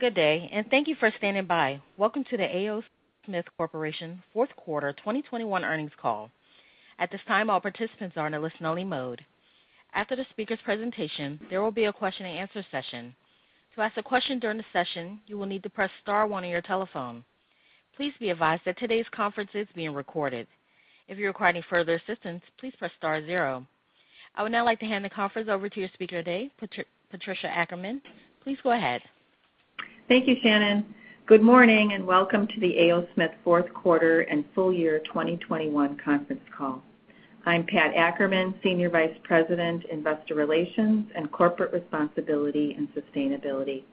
Good day, and thank you for standing by. Welcome to the A. O. Smith Corporation Fourth Quarter 2021 earnings call. At this time, all participants are in a listen-only mode. After the speaker's presentation, there will be a question-and-answer session. To ask a question during the session, you will need to press star one on your telephone. Please be advised that today's conference is being recorded. If you require any further assistance, please press star zero. I would now like to hand the conference over to your speaker today, Patricia Ackerman. Please go ahead. Thank you, Shannon. Good morning, and welcome to the A. O. Smith fourth quarter and full year 2021 conference call. I'm Pat Ackerman, Senior Vice President, Investor Relations and Corporate Responsibility and Sustainability.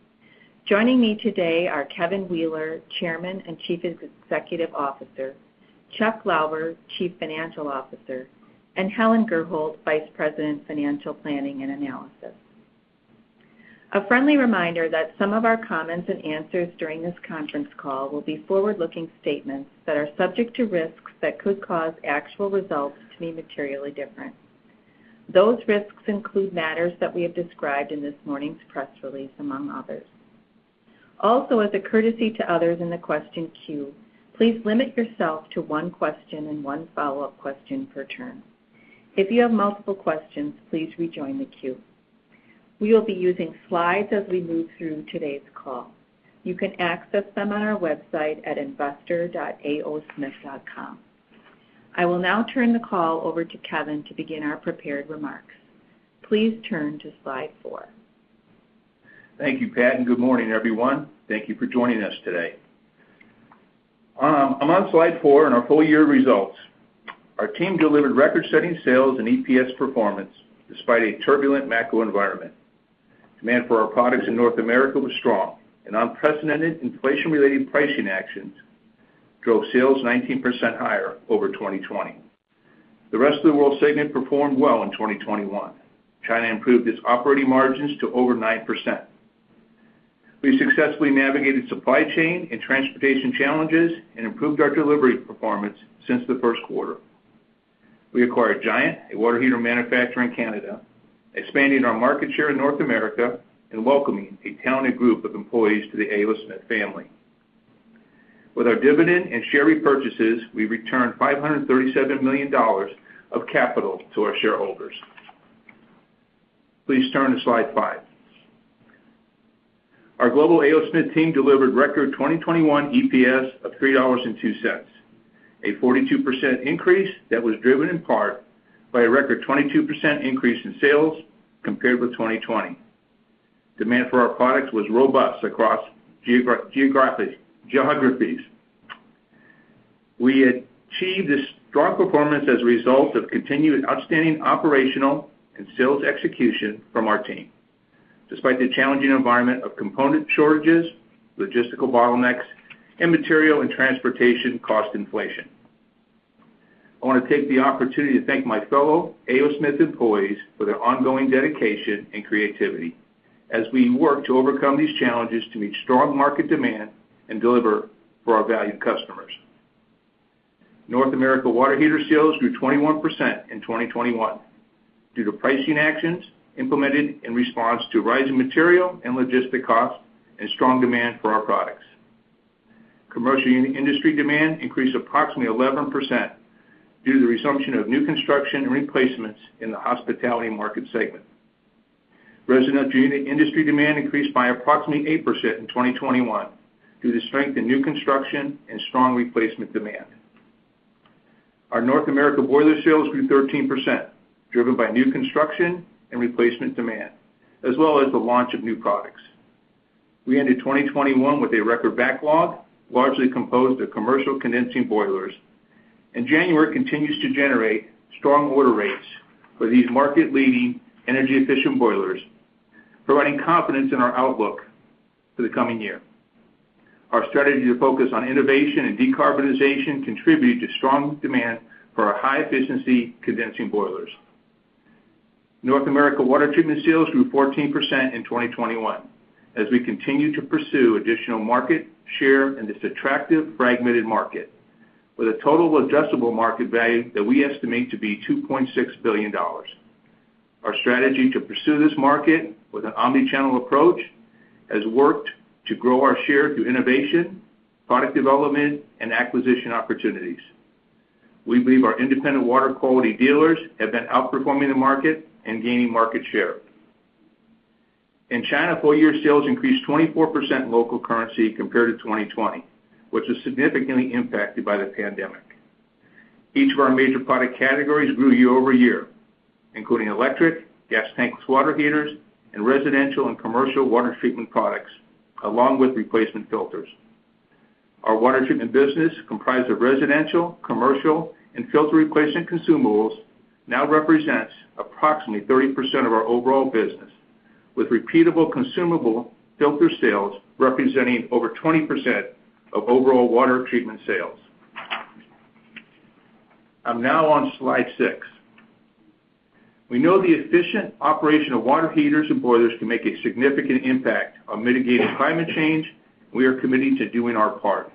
Joining me today are Kevin Wheeler, Chairman and Chief Executive Officer, Chuck Lauber, Chief Financial Officer, and Helen Gurholt, Vice President, Financial Planning and Analysis. A friendly reminder that some of our comments and answers during this conference call will be forward-looking statements that are subject to risks that could cause actual results to be materially different. Those risks include matters that we have described in this morning's press release, among others. Also, as a courtesy to others in the question queue, please limit yourself to one question and one follow-up question per turn. If you have multiple questions, please rejoin the queue. We will be using slides as we move through today's call. You can access them on our website at investor.aosmith.com. I will now turn the call over to Kevin to begin our prepared remarks. Please turn to Slide 4. Thank you, Pat, and good morning, everyone. Thank you for joining us today. I'm on slide four in our full year results. Our team delivered record-setting sales and EPS performance despite a turbulent macro environment. Demand for our products in North America was strong, and unprecedented inflation-related pricing actions drove sales 19% higher over 2020. The rest of the world segment performed well in 2021. China improved its operating margins to over 9%. We successfully navigated supply chain and transportation challenges and improved our delivery performance since the first quarter. We acquired Giant, a water heater manufacturer in Canada, expanding our market share in North America and welcoming a talented group of employees to the A. O. Smith family. With our dividend and share repurchases, we returned $537 million of capital to our shareholders. Please turn to slide five. Our global A. O. Smith team delivered record 2021 EPS of $3.02, a 42% increase that was driven in part by a record 22% increase in sales compared with 2020. Demand for our products was robust across geographies. We achieved this strong performance as a result of continued outstanding operational and sales execution from our team, despite the challenging environment of component shortages, logistical bottlenecks, and material and transportation cost inflation. I wanna take the opportunity to thank my fellow A. O. Smith employees for their ongoing dedication and creativity as we work to overcome these challenges to meet strong market demand and deliver for our valued customers. North America water heater sales grew 21% in 2021 due to pricing actions implemented in response to rising material and logistical costs and strong demand for our products. Commercial industry demand increased approximately 11% due to the resumption of new construction and replacements in the hospitality market segment. Residential industry demand increased by approximately 8% in 2021 due to strength in new construction and strong replacement demand. Our North America boiler sales grew 13%, driven by new construction and replacement demand, as well as the launch of new products. We ended 2021 with a record backlog, largely composed of commercial condensing boilers. In January, it continues to generate strong order rates for these market-leading energy-efficient boilers, providing confidence in our outlook for the coming year. Our strategy to focus on innovation and decarbonization contribute to strong demand for our high-efficiency condensing boilers. North America water treatment sales grew 14% in 2021 as we continue to pursue additional market share in this attractive, fragmented market with a total addressable market value that we estimate to be $2.6 billion. Our strategy to pursue this market with an omni-channel approach has worked to grow our share through innovation, product development, and acquisition opportunities. We believe our independent water quality dealers have been outperforming the market and gaining market share. In China, full year sales increased 24% in local currency compared to 2020, which was significantly impacted by the pandemic. Each of our major product categories grew year-over-year, including electric, gas tankless water heaters, and residential and commercial water treatment products, along with replacement filters. Our water treatment business, comprised of residential, commercial, and filter replacement consumables, now represents approximately 30% of our overall business, with repeatable consumable filter sales representing over 20% of overall water treatment sales. I'm now on Slide 6. We know the efficient operation of water heaters and boilers can make a significant impact on mitigating climate change. We are committing to doing our part.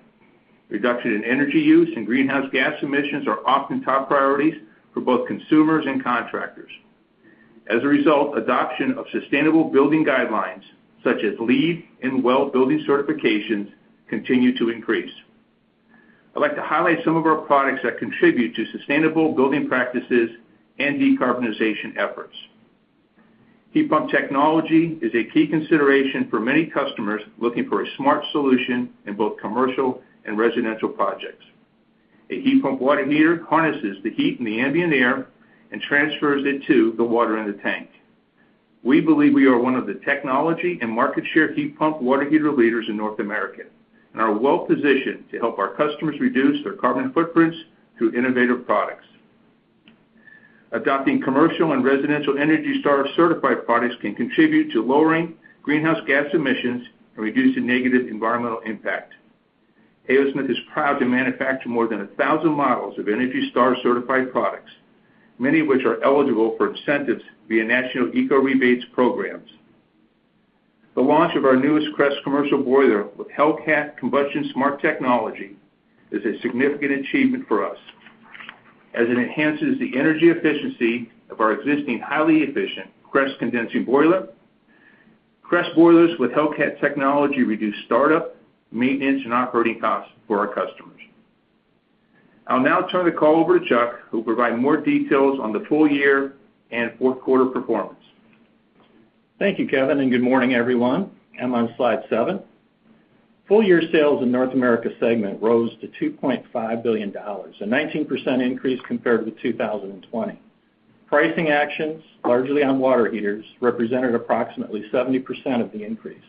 Reduction in energy use and greenhouse gas emissions are often top priorities for both consumers and contractors. As a result, adoption of sustainable building guidelines, such as LEED and WELL building certifications, continue to increase. I'd like to highlight some of our products that contribute to sustainable building practices and decarbonization efforts. Heat pump technology is a key consideration for many customers looking for a smart solution in both commercial and residential projects. A heat pump water heater harnesses the heat in the ambient air and transfers it to the water in the tank. We believe we are one of the technology and market share heat pump water heater leaders in North America, and are well-positioned to help our customers reduce their carbon footprints through innovative products. Adopting commercial and residential ENERGY STAR certified products can contribute to lowering greenhouse gas emissions and reducing negative environmental impact. A. O. Smith is proud to manufacture more than 1,000 models of ENERGY STAR certified products, many of which are eligible for incentives via national eco rebates programs. The launch of our newest CREST commercial boiler with Hellcat Combustion Smart Technology is a significant achievement for us as it enhances the energy efficiency of our existing highly efficient CREST condensing boiler. CREST boilers with Hel-Cat technology reduce startup, maintenance, and operating costs for our customers. I'll now turn the call over to Chuck, who'll provide more details on the full year and fourth quarter performance. Thank you, Kevin, and good morning, everyone. I'm on Slide 7. Full year sales in North America segment rose to $2.5 billion, a 19% increase compared with 2020. Pricing actions, largely on water heaters, represented approximately 70% of the increase.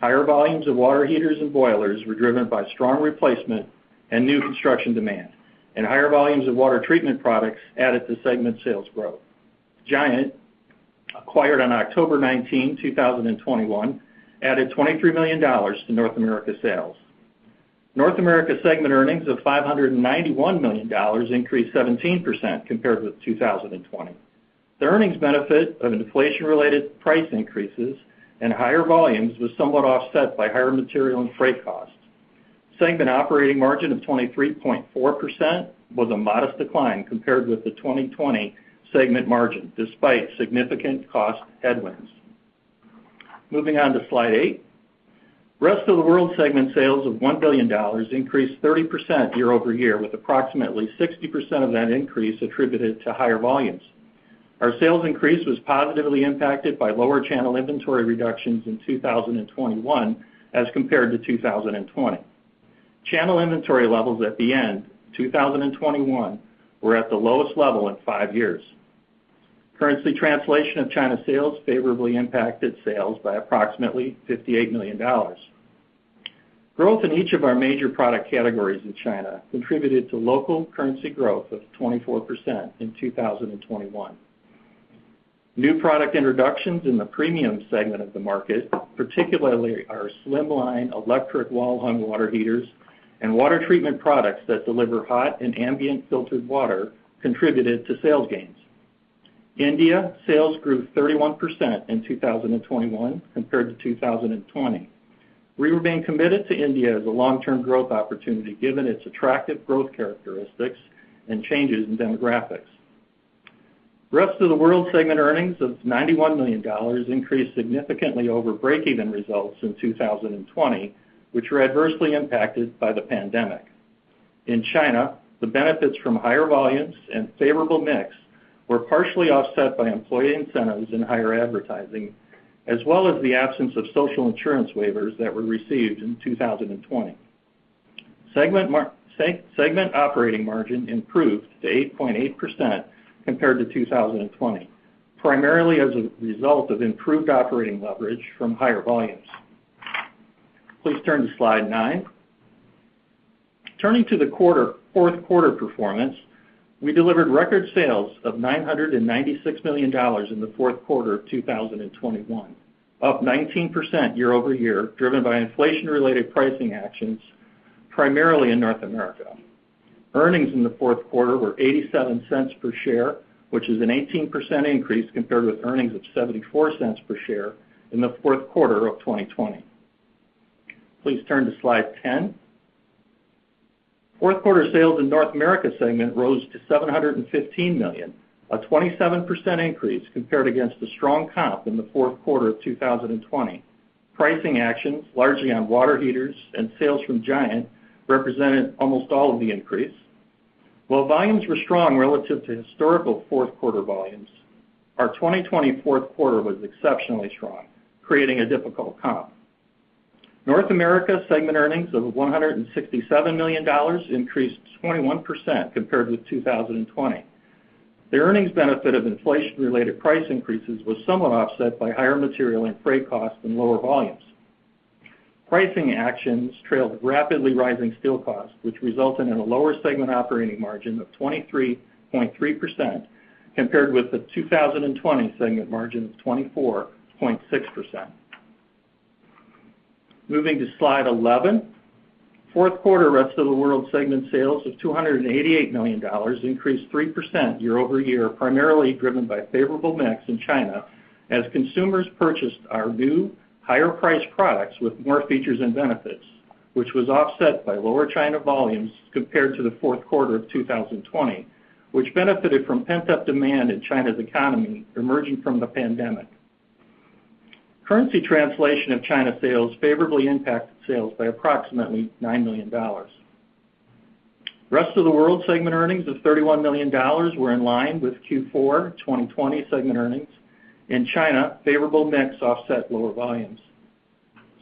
Higher volumes of water heaters and boilers were driven by strong replacement and new construction demand, and higher volumes of water treatment products added to segment sales growth. Giant, acquired on October 19, 2021, added $23 million to North America sales. North America segment earnings of $591 million increased 17% compared with 2020. The earnings benefit of inflation-related price increases and higher volumes was somewhat offset by higher material and freight costs. Segment operating margin of 23.4% was a modest decline compared with the 2020 segment margin, despite significant cost headwinds. Moving on to Slide 8. Rest of the World segment sales of $1 billion increased 30% year over year, with approximately 60% of that increase attributed to higher volumes. Our sales increase was positively impacted by lower channel inventory reductions in 2021 as compared to 2020. Channel inventory levels at the end, 2021, were at the lowest level in five years. Currency translation of China sales favorably impacted sales by approximately $58 million. Growth in each of our major product categories in China contributed to local currency growth of 24% in 2021. New product introductions in the premium segment of the market, particularly our slimline electric wall hung water heaters and water treatment products that deliver hot and ambient filtered water contributed to sales gains. India sales grew 31% in 2021 compared to 2020. We remain committed to India as a long-term growth opportunity, given its attractive growth characteristics and changes in demographics. Rest of the World segment earnings of $91 million increased significantly over break-even results in 2020, which were adversely impacted by the pandemic. In China, the benefits from higher volumes and favorable mix were partially offset by employee incentives and higher advertising, as well as the absence of social insurance waivers that were received in 2020. Segment operating margin improved to 8.8% compared to 2020, primarily as a result of improved operating leverage from higher volumes. Please turn to Slide 9. Turning to the quarter, fourth quarter performance, we delivered record sales of $996 million in the fourth quarter of 2021, up 19% year-over-year, driven by inflation-related pricing actions, primarily in North America. Earnings in the fourth quarter were $0.87 per share, which is an 18% increase compared with earnings of $0.74 per share in the fourth quarter of 2020. Please turn to Slide 10. Fourth quarter sales in North America segment rose to $715 million, a 27% increase compared against a strong comp in the fourth quarter of 2020. Pricing actions, largely on water heaters and sales from Giant, represented almost all of the increase. While volumes were strong relative to historical fourth quarter volumes, our 2020 fourth quarter was exceptionally strong, creating a difficult comp. North America segment earnings of $167 million increased 21% compared with 2020. The earnings benefit of inflation-related price increases was somewhat offset by higher material and freight costs and lower volumes. Pricing actions trailed rapidly rising steel costs, which resulted in a lower segment operating margin of 23.3% compared with the 2020 segment margin of 24.6%. Moving to Slide 11. Fourth quarter Rest of the World segment sales of $288 million increased 3% year-over-year, primarily driven by favorable mix in China as consumers purchased our new higher priced products with more features and benefits, which was offset by lower China volumes compared to the fourth quarter of 2020, which benefited from pent-up demand in China's economy emerging from the pandemic. Currency translation of China sales favorably impacted sales by approximately $9 million. Rest of the World segment earnings of $31 million were in line with Q4 2020 segment earnings. In China, favorable mix offset lower volumes.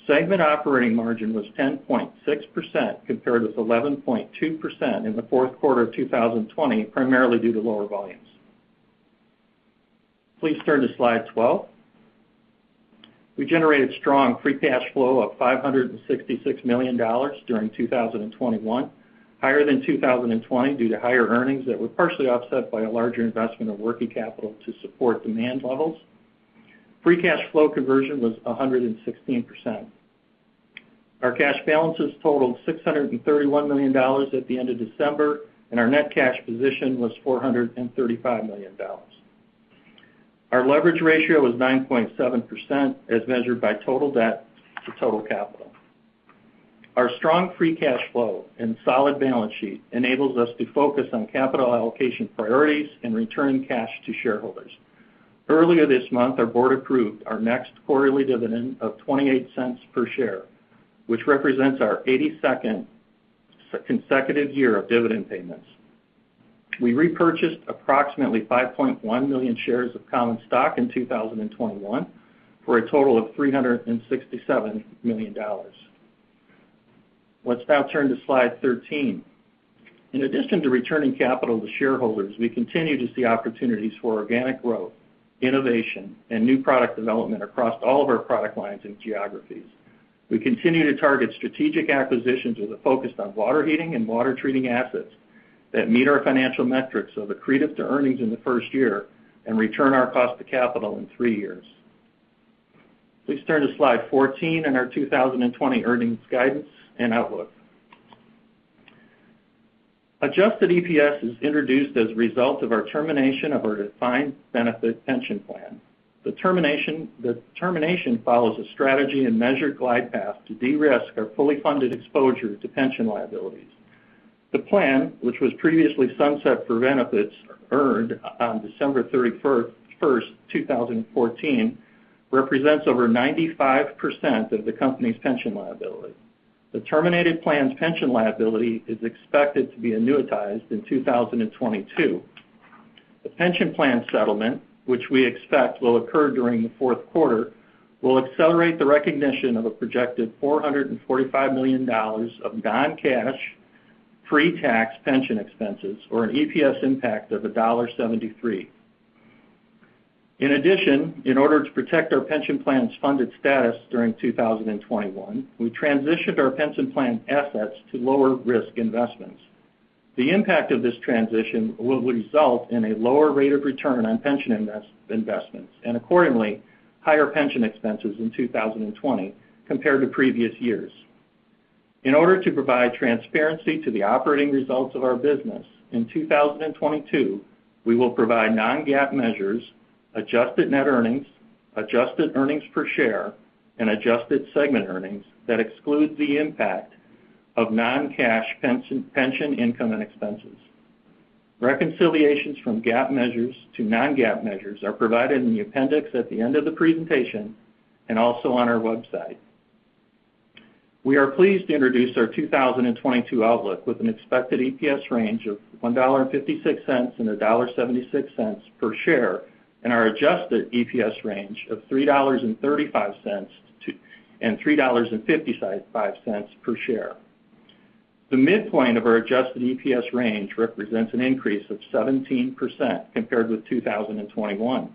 Segment operating margin was 10.6% compared with 11.2% in the fourth quarter of 2020, primarily due to lower volumes. Please turn to Slide 12. We generated strong free cash flow of $566 million during 2021, higher than 2020 due to higher earnings that were partially offset by a larger investment of working capital to support demand levels. Free cash flow conversion was 116%. Our cash balances totaled $631 million at the end of December, and our net cash position was $435 million. Our leverage ratio was 9.7% as measured by total debt to total capital. Our strong free cash flow and solid balance sheet enables us to focus on capital allocation priorities and returning cash to shareholders. Earlier this month, our board approved our next quarterly dividend of $0.28 per share, which represents our 82nd consecutive year of dividend payments. We repurchased approximately 5.1 million shares of common stock in 2021 for a total of $367 million. Let's now turn to Slide 13. In addition to returning capital to shareholders, we continue to see opportunities for organic growth, innovation, and new product development across all of our product lines and geographies. We continue to target strategic acquisitions with a focus on water heating and water treating assets that meet our financial metrics of accretive to earnings in the first year and return our cost of capital in 3 years. Please turn to Slide 14 and our 2020 earnings guidance and outlook. Adjusted EPS is introduced as a result of our termination of our defined benefit pension plan. The termination follows a strategy and measured glide path to de-risk our fully funded exposure to pension liabilities. The plan, which was previously sunset for benefits earned on December 31, 2014, represents over 95% of the company's pension liability. The terminated plan's pension liability is expected to be annuitized in 2022. The pension plan settlement, which we expect will occur during the fourth quarter, will accelerate the recognition of a projected $445 million of non-cash pre-tax pension expenses or an EPS impact of $1.73. In addition, in order to protect our pension plan's funded status during 2021, we transitioned our pension plan assets to lower risk investments. The impact of this transition will result in a lower rate of return on pension investments and accordingly, higher pension expenses in 2020 compared to previous years. In order to provide transparency to the operating results of our business, in 2022, we will provide non-GAAP measures, adjusted net earnings, adjusted earnings per share, and adjusted segment earnings that excludes the impact of non-cash pension income and expenses. Reconciliations from GAAP measures to non-GAAP measures are provided in the appendix at the end of the presentation and also on our website. We are pleased to introduce our 2022 outlook with an expected EPS range of $1.56-$1.76 per share and our adjusted EPS range of $3.35-$3.55 per share. The midpoint of our adjusted EPS range represents an increase of 17% compared with 2021.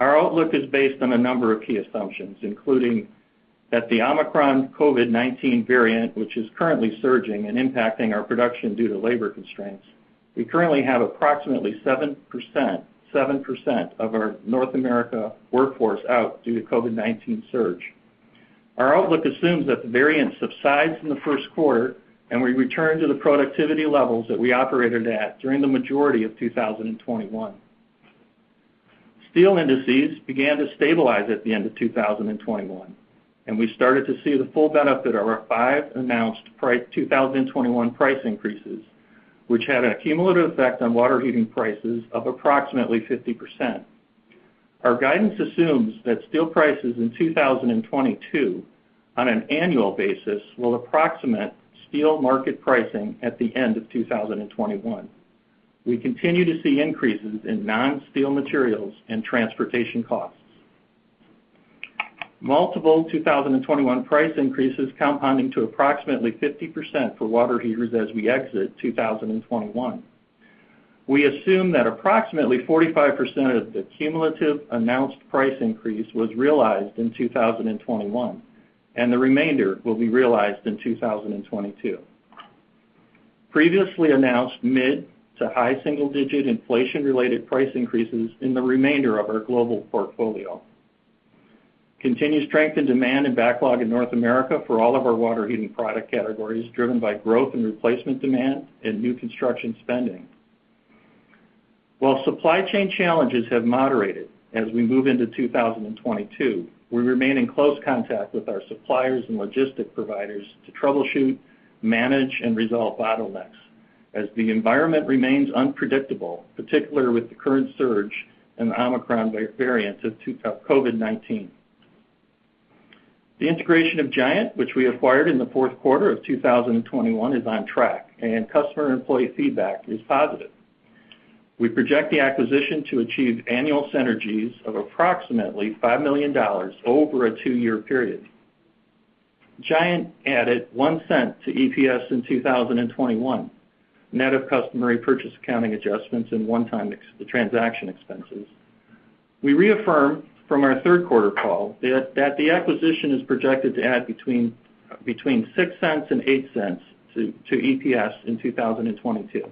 Our outlook is based on a number of key assumptions, including that the Omicron COVID-19 variant, which is currently surging and impacting our production due to labor constraints. We currently have approximately 7% of our North American workforce out due to COVID-19 surge. Our outlook assumes that the variant subsides in the first quarter, and we return to the productivity levels that we operated at during the majority of 2021. Steel indices began to stabilize at the end of 2021, and we started to see the full benefit of our five announced 2021 price increases, which had a cumulative effect on water heating prices of approximately 50%. Our guidance assumes that steel prices in 2022 on an annual basis will approximate steel market pricing at the end of 2021. We continue to see increases in non-steel materials and transportation costs. Multiple 2021 price increases compounding to approximately 50% for water heaters as we exit 2021. We assume that approximately 45% of the cumulative announced price increase was realized in 2021, and the remainder will be realized in 2022. Previously announced mid- to high single-digit inflation-related price increases in the remainder of our global portfolio. Continued strength in demand and backlog in North America for all of our water heating product categories, driven by growth in replacement demand and new construction spending. While supply chain challenges have moderated as we move into 2022, we remain in close contact with our suppliers and logistic providers to troubleshoot, manage, and resolve bottlenecks as the environment remains unpredictable, particularly with the current surge in the Omicron variant of COVID-19. The integration of Giant, which we acquired in the fourth quarter of 2021, is on track, and customer employee feedback is positive. We project the acquisition to achieve annual synergies of approximately $5 million over a two-year period. Giant added $0.01 to EPS in 2021, net of customary purchase accounting adjustments and one-time transaction expenses. We reaffirm from our third quarter call that the acquisition is projected to add between $0.06-$0.08 to EPS in 2022.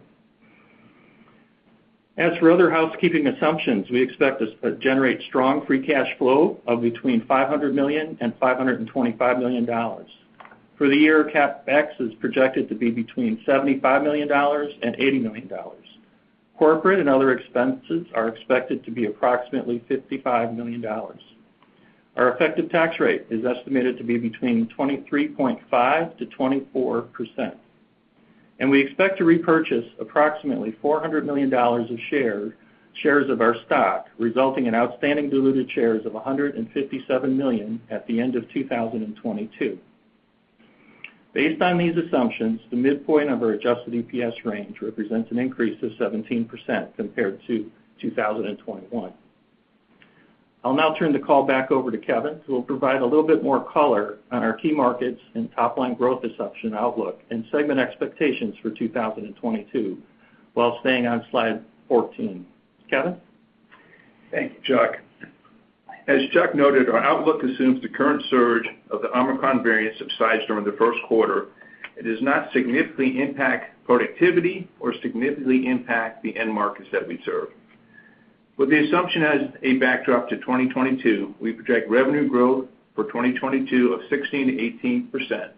As for other housekeeping assumptions, we expect to generate strong free cash flow of between $500 million-$525 million. For the year, CapEx is projected to be between $75 million-$80 million. Corporate and other expenses are expected to be approximately $55 million. Our effective tax rate is estimated to be between 23.5%-24%. We expect to repurchase approximately $400 million of shares of our stock, resulting in outstanding diluted shares of 157 million at the end of 2022. Based on these assumptions, the midpoint of our adjusted EPS range represents an increase of 17% compared to 2021. I'll now turn the call back over to Kevin, who will provide a little bit more color on our key markets and top-line growth assumption outlook and segment expectations for 2022 while staying on Slide 14. Kevin? Thank you, Chuck. As Chuck noted, our outlook assumes the current surge of the Omicron variant subsides during the first quarter. It does not significantly impact productivity or significantly impact the end markets that we serve. With the assumption as a backdrop to 2022, we project revenue growth for 2022 of 16%-18%,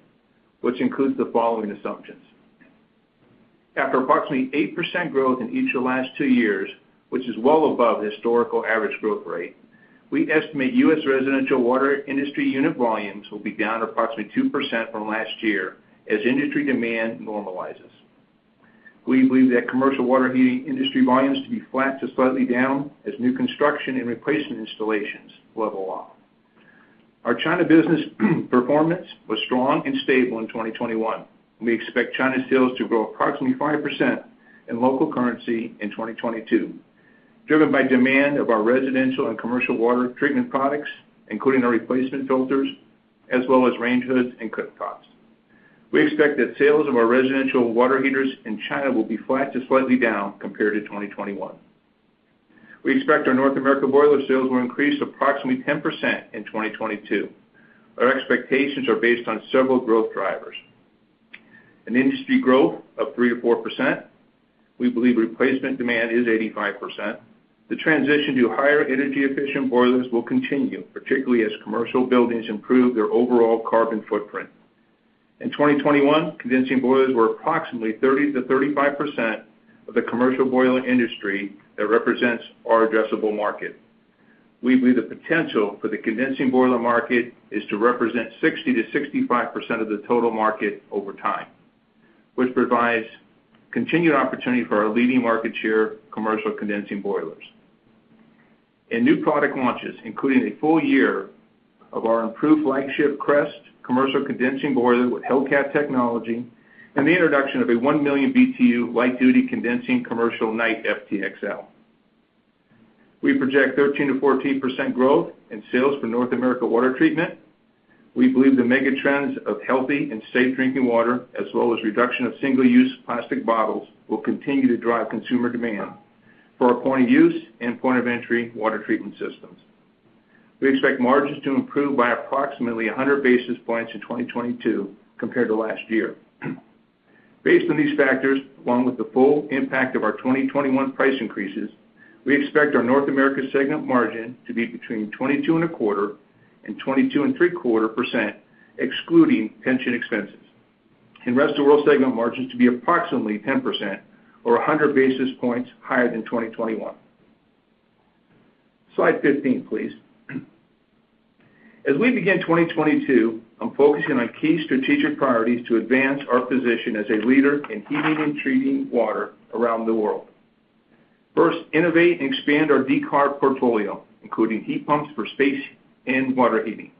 which includes the following assumptions. After approximately 8% growth in each of the last two years, which is well above the historical average growth rate, we estimate U.S. residential water industry unit volumes will be down approximately 2% from last year as industry demand normalizes. We believe that commercial water heating industry volumes to be flat to slightly down as new construction and replacement installations level off. Our China business performance was strong and stable in 2021, and we expect China sales to grow approximately 5% in local currency in 2022, driven by demand of our residential and commercial water treatment products, including our replacement filters, as well as range hoods and cooktops. We expect that sales of our residential water heaters in China will be flat to slightly down compared to 2021. We expect our North America boiler sales will increase approximately 10% in 2022. Our expectations are based on several growth drivers. An industry growth of 3%-4%. We believe replacement demand is 85%. The transition to higher energy-efficient boilers will continue, particularly as commercial buildings improve their overall carbon footprint. In 2021, condensing boilers were approximately 30%-35% of the commercial boiler industry that represents our addressable market. We believe the potential for the condensing boiler market is to represent 60%-65% of the total market over time, which provides continued opportunity for our leading market share commercial condensing boilers, in new product launches, including a full year of our improved flagship CREST commercial condensing boiler with Hel-Cat technology and the introduction of a 1 million BTU light-duty condensing commercial KNIGHT XL. We project 13%-14% growth in sales for North America water treatment. We believe the mega trends of healthy and safe drinking water, as well as reduction of single-use plastic bottles, will continue to drive consumer demand for our point-of-use and point-of-entry water treatment systems. We expect margins to improve by approximately 100 basis points in 2022 compared to last year. Based on these factors, along with the full impact of our 2021 price increases, we expect our North America segment margin to be between 22.25% and 22.75%, excluding pension expenses, and Rest of World segment margins to be approximately 10% or 100 basis points higher than 2021. Slide 15, please. As we begin 2022, I'm focusing on key strategic priorities to advance our position as a leader in heating and treating water around the world. First, innovate and expand our decarb portfolio, including heat pumps for space and water heating.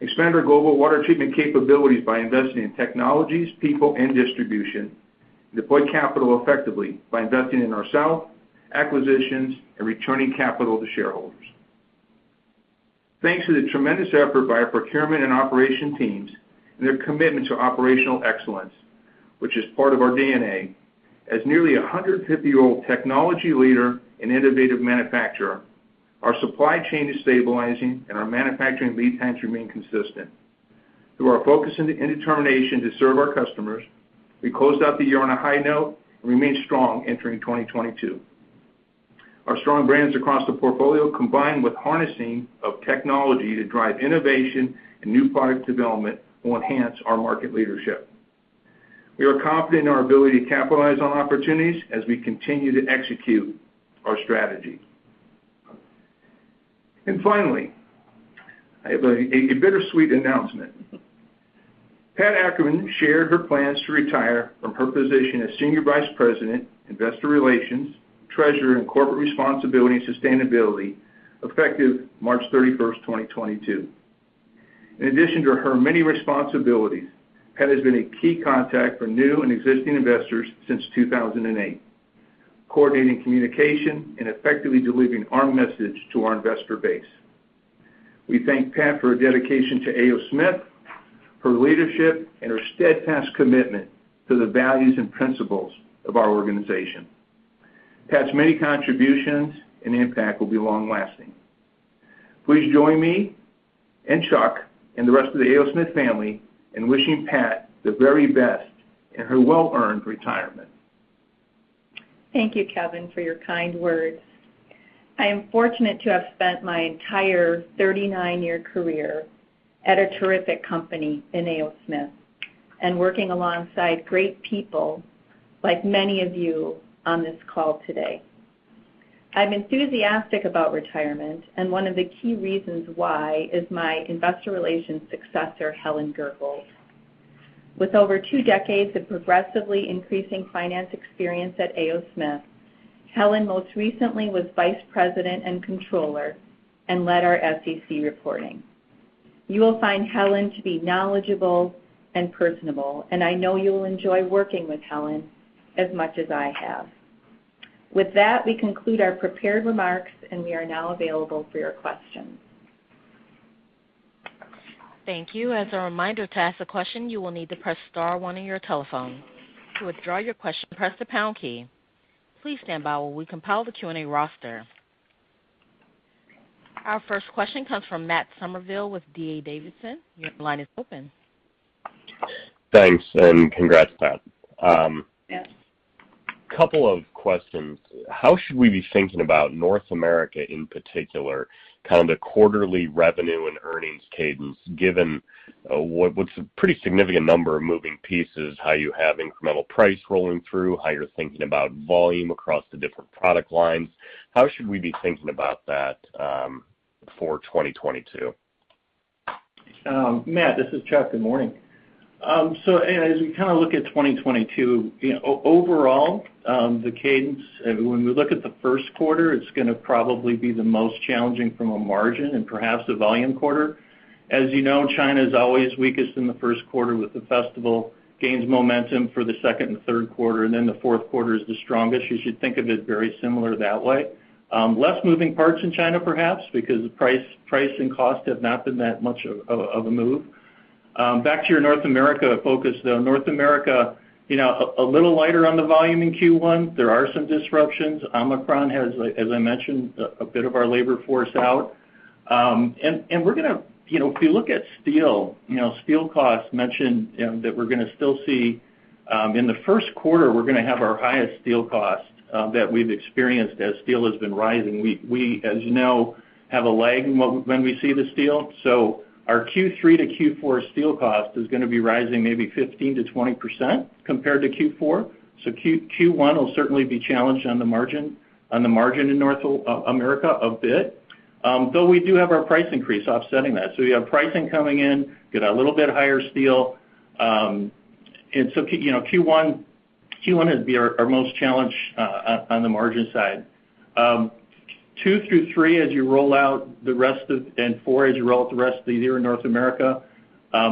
Expand our global water treatment capabilities by investing in technologies, people, and distribution. Deploy capital effectively by investing in ourselves, acquisitions, and returning capital to shareholders. Thanks to the tremendous effort by our procurement and operation teams and their commitment to operational excellence, which is part of our DNA, as nearly a 150-year-old technology leader and innovative manufacturer, our supply chain is stabilizing, and our manufacturing lead times remain consistent. Through our focus and determination to serve our customers, we closed out the year on a high note and remain strong entering 2022. Our strong brands across the portfolio, combined with harnessing of technology to drive innovation and new product development, will enhance our market leadership. We are confident in our ability to capitalize on opportunities as we continue to execute our strategy. Finally, I have a bittersweet announcement. Pat Ackerman shared her plans to retire from her position as Senior Vice President, Investor Relations, Treasurer, and Corporate Responsibility and Sustainability, effective March 31st, 2022. In addition to her many responsibilities, Pat has been a key contact for new and existing investors since 2008, coordinating communication and effectively delivering our message to our investor base. We thank Pat for her dedication to A. O. Smith, her leadership, and her steadfast commitment to the values and principles of our organization. Pat's many contributions and impact will be long-lasting. Please join me and Chuck and the rest of the A. O. Smith family in wishing Pat the very best in her well-earned retirement. Thank you, Kevin, for your kind words. I am fortunate to have spent my entire 39-year career at a terrific company in A. O. Smith and working alongside great people like many of you on this call today. I'm enthusiastic about retirement, and one of the key reasons why is my investor relations successor, Helen Gurholt. With over two decades of progressively increasing finance experience at A. O. Smith, Helen most recently was Vice President and Controller and led our SEC reporting. You will find Helen to be knowledgeable and personable, and I know you'll enjoy working with Helen as much as I have. With that, we conclude our prepared remarks, and we are now available for your questions. Thank you. As a reminder, to ask a question, you will need to press star one on your telephone. To withdraw your question, press the pound key. Please stand by while we compile the Q&A roster. Our first question comes from Matt Summerville with D.A. Davidson. Your line is open. Thanks, and congrats, Pat. Yes. couple of questions. How should we be thinking about North America in particular, kind of the quarterly revenue and earnings cadence, given what's a pretty significant number of moving pieces, how you have incremental price rolling through, how you're thinking about volume across the different product lines? How should we be thinking about that, for 2022? Matt, this is Chuck. Good morning. As we kinda look at 2022, you know, overall, the cadence, when we look at the first quarter, it's gonna probably be the most challenging from a margin and perhaps a volume quarter. As you know, China is always weakest in the first quarter with the festival, gains momentum for the second and third quarter, and then the fourth quarter is the strongest. You should think of it very similar that way. Less moving parts in China perhaps because price and cost have not been that much of a move. Back to your North America focus, though. North America, you know, a little lighter on the volume in Q1. There are some disruptions. Omicron has, as I mentioned, a bit of our labor force out. You know, if you look at steel, you know, steel costs mentioned that we're gonna still see in the first quarter, we're gonna have our highest steel costs that we've experienced as steel has been rising. We, as you know, have a lag in when we see the steel. Our Q3 to Q4 steel cost is gonna be rising maybe 15%-20% compared to Q4. Q1 will certainly be challenged on the margin in North America a bit. Though we do have our price increase offsetting that. We have pricing coming in, get a little bit higher steel. You know, Q1 will be our most challenged on the margin side. 2 through 3 and 4, as you roll out the rest of the year in North America,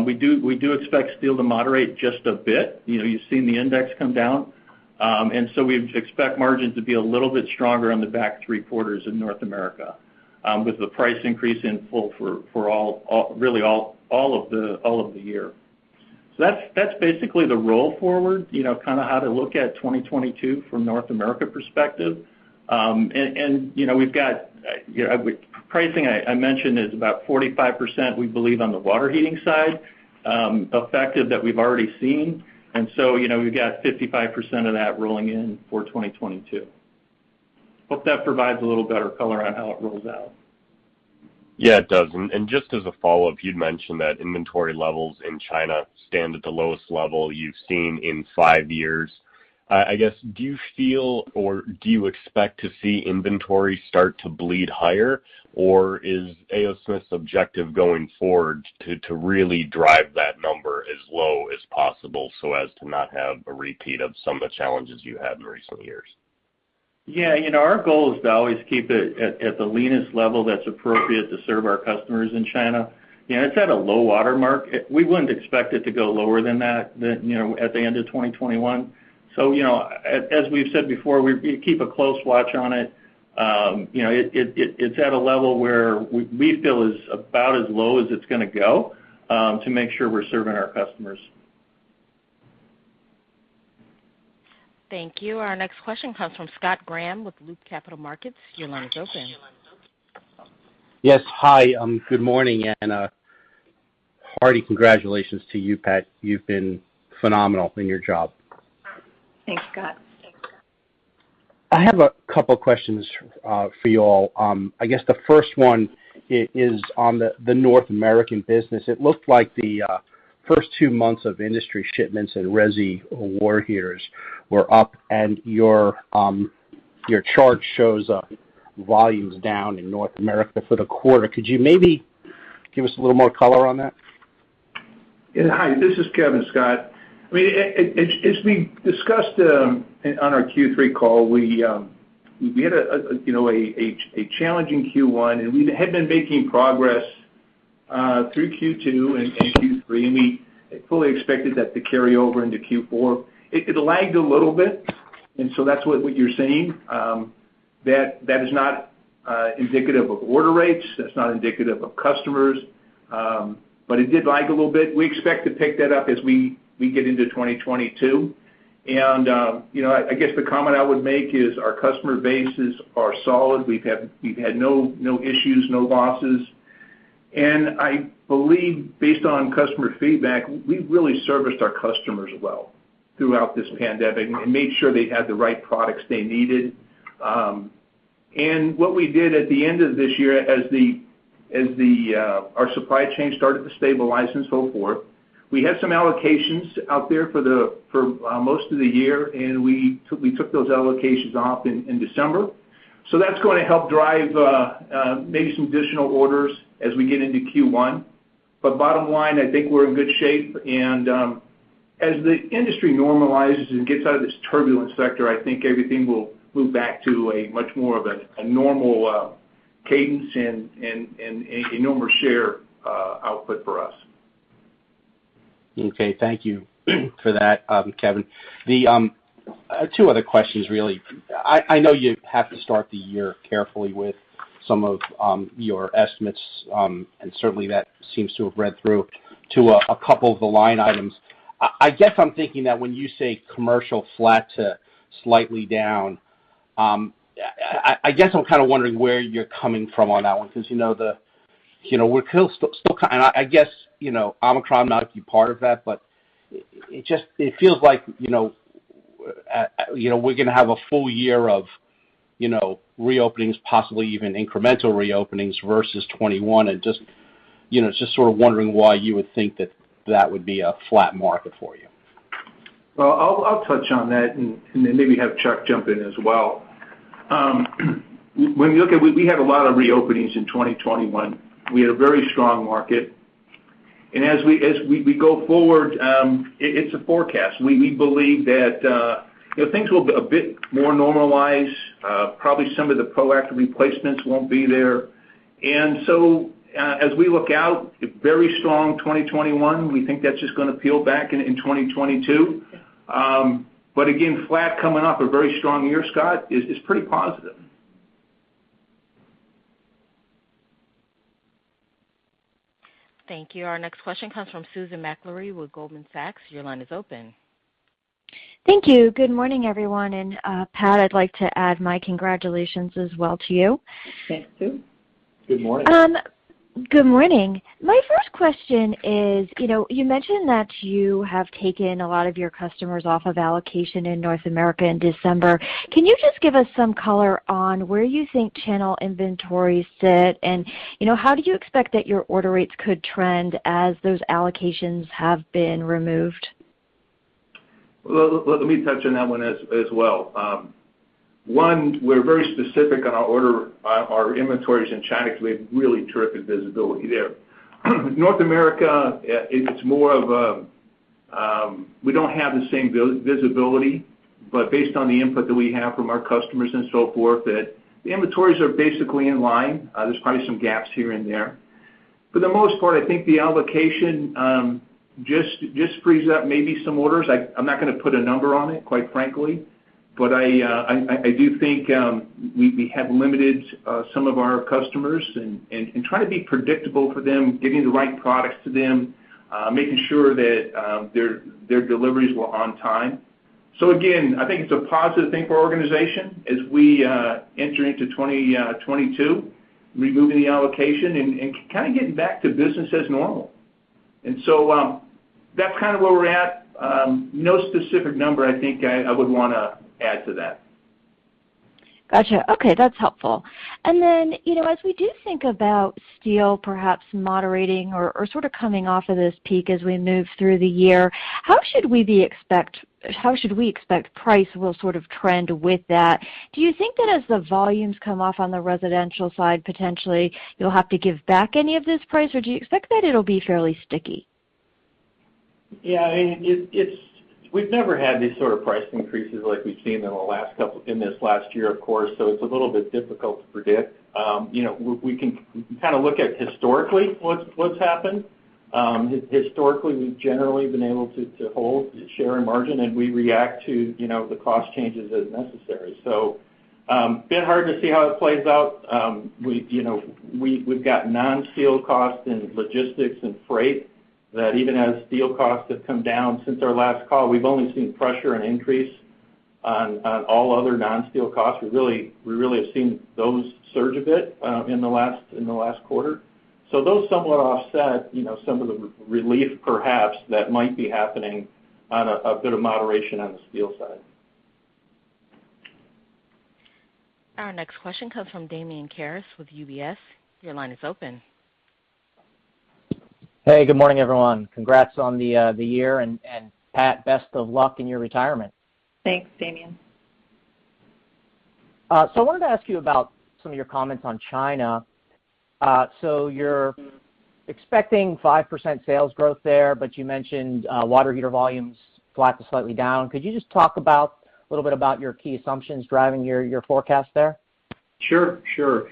we do expect steel to moderate just a bit. You know, you've seen the index come down. We expect margins to be a little bit stronger on the back 3 quarters in North America, with the price increase in full for all of the year. That's basically the roll forward, you know, kinda how to look at 2022 from North America perspective. You know, we've got, you know, pricing, I mentioned, is about 45%, we believe, on the water heating side, effective that we've already seen. You know, we've got 55% of that rolling in for 2022. Hope that provides a little better color on how it rolls out. Yeah, it does. Just as a follow-up, you'd mentioned that inventory levels in China stand at the lowest level you've seen in five years. I guess, do you feel or do you expect to see inventory start to bleed higher? Or is A. O. Smith's objective going forward to really drive that number as low as possible so as to not have a repeat of some of the challenges you had in recent years? Yeah. You know, our goal is to always keep it at the leanest level that's appropriate to serve our customers in China. You know, it's at a low water mark. We wouldn't expect it to go lower than that, you know, at the end of 2021. You know, as we've said before, we keep a close watch on it. You know, it's at a level where we feel is about as low as it's gonna go, to make sure we're serving our customers. Thank you. Our next question comes from Scott Graham with Loop Capital Markets. Your line is open. Yes. Hi, good morning, and hearty congratulations to you, Pat. You've been phenomenal in your job. Thanks, Scott. I have a couple questions for you all. I guess the first one is on the North American business. It looked like the first two months of industry shipments and residential water heaters were up, and your chart shows volumes down in North America for the quarter. Could you maybe give us a little more color on that? Yeah. Hi, this is Kevin, Scott. I mean, as we discussed on our Q3 call, we had, you know, a challenging Q1, and we had been making progress through Q2 and Q3. We fully expected that to carry over into Q4. It lagged a little bit, so that's what you're seeing. That is not indicative of order rates. That's not indicative of customers. It did lag a little bit. We expect to pick that up as we get into 2022. I guess the comment I would make is, our customer bases are solid. We've had no issues, no losses. I believe based on customer feedback, we really serviced our customers well throughout this pandemic and made sure they had the right products they needed. What we did at the end of this year as our supply chain started to stabilize and so forth, we had some allocations out there for most of the year, and we took those allocations off in December. That's gonna help drive maybe some additional orders as we get into Q1. Bottom line, I think we're in good shape. As the industry normalizes and gets out of this turbulent sector, I think everything will move back to a much more of a normal cadence and a normal share output for us. Okay. Thank you for that, Kevin. The two other questions, really. I know you have to start the year carefully with some of your estimates, and certainly that seems to have read through to a couple of the line items. I guess I'm thinking that when you say commercial flat to slightly down, I guess I'm kind of wondering where you're coming from on that one, because you know, you know, we're still. I guess you know, Omicron might be part of that, but it just feels like you know, you know, we're gonna have a full year of you know, reopenings, possibly even incremental reopenings versus 2021. Just you know, just sort of wondering why you would think that that would be a flat market for you. Well, I'll touch on that and then maybe have Chuck jump in as well. When you look at it, we had a lot of reopenings in 2021. We had a very strong market. As we go forward, it's a forecast. We believe that, you know, things will be a bit more normalized, probably some of the proactive replacements won't be there. So, as we look out, a very strong 2021, we think that's just gonna peel back in 2022. But again, flat coming off a very strong year, Scott, is pretty positive. Thank you. Our next question comes from Susan Maklari with Goldman Sachs. Your line is open. Thank you. Good morning, everyone. Pat, I'd like to add my congratulations as well to you. Thanks, Sue. Good morning. Good morning. My first question is, you know, you mentioned that you have taken a lot of your customers off of allocation in North America in December. Can you just give us some color on where you think channel inventories sit? You know, how do you expect that your order rates could trend as those allocations have been removed? Well, let me touch on that one as well. We're very specific on our orders, our inventories in China because we have really terrific visibility there. North America, it's more of, we don't have the same visibility, but based on the input that we have from our customers and so forth, that the inventories are basically in line. There's probably some gaps here and there. For the most part, I think the allocation just frees up maybe some orders. I'm not gonna put a number on it, quite frankly. I do think we have limited some of our customers and trying to be predictable for them, getting the right products to them, making sure that their deliveries were on time. Again, I think it's a positive thing for our organization as we enter into 2022, removing the allocation and kind of getting back to business as normal. That's kind of where we're at. No specific number I think I would wanna add to that. Gotcha. Okay, that's helpful. You know, as we do think about steel perhaps moderating or sort of coming off of this peak as we move through the year, how should we expect price will sort of trend with that? Do you think that as the volumes come off on the residential side, potentially you'll have to give back any of this price, or do you expect that it'll be fairly sticky? Yeah. I mean, we've never had these sort of price increases like we've seen in this last year, of course. It's a little bit difficult to predict. You know, we can kind of look at historically what's happened. Historically, we've generally been able to hold share and margin, and we react to, you know, the cost changes as necessary. A bit hard to see how it plays out. You know, we've got non-steel costs in logistics and freight that even as steel costs have come down since our last call, we've only seen pressure and increase On all other non-steel costs, we really have seen those surge a bit in the last quarter. So those somewhat offset, you know, some of the relief perhaps that might be happening on a bit of moderation on the steel side. Our next question comes from Damian Karas with UBS. Your line is open. Hey, good morning, everyone. Congrats on the year and Pat, best of luck in your retirement. Thanks, Damian. I wanted to ask you about some of your comments on China. You're expecting 5% sales growth there, but you mentioned water heater volumes flat to slightly down. Could you just talk a little bit about your key assumptions driving your forecast there? Sure, sure.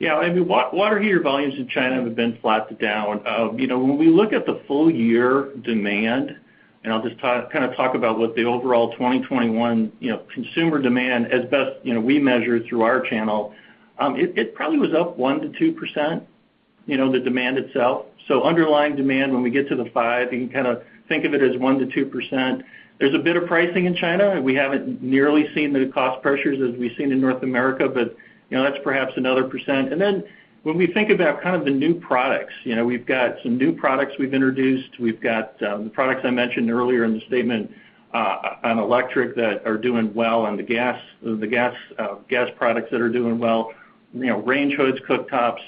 Yeah, I mean, water heater volumes in China have been flat to down. You know, when we look at the full year demand, and I'll just kind of talk about what the overall 2021, you know, consumer demand as best we measure through our channel, it probably was up 1%-2%, you know, the demand itself. Underlying demand, when we get to the 5, you can kind of think of it as 1%-2%. There's a bit of pricing in China. We haven't nearly seen the cost pressures as we've seen in North America, but, you know, that's perhaps another %. When we think about kind of the new products, you know, we've got some new products we've introduced. We've got the products I mentioned earlier in the statement on electric that are doing well on the gas products that are doing well. You know, range hoods, cooktops,